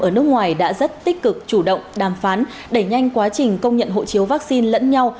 ở nước ngoài đã rất tích cực chủ động đàm phán đẩy nhanh quá trình công nhận hộ chiếu vaccine lẫn nhau